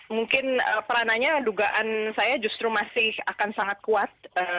mungkin perananya dugaan saya justru masih akan sangat kuat